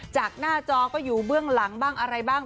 จากหน้าจอก็อยู่เบื้องหลังบ้างอะไรบ้าง